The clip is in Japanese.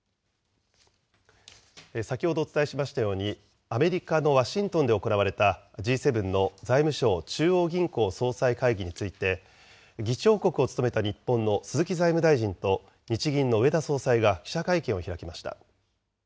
先ほどお伝えしましたように、アメリカのワシントンで行われたＧ７の財務相・中央銀行総裁会議について、議長国を務めた日本の鈴木財務大臣と、日銀の植田総裁が記者会見を開きました。